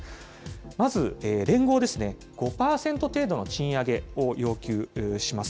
まず連合ですね、５％程度の賃上げを要求します。